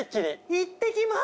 いってきます！